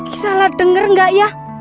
kiki salah denger gak ya